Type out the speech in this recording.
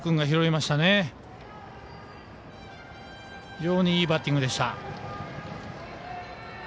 非常にいいバッティングでした。